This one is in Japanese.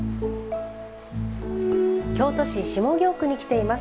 京都市下京区に来ています。